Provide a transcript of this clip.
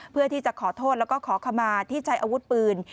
เพื่อที่จะขอโทษแล้วก็ขอขมาที่ใช้อาวุธปืน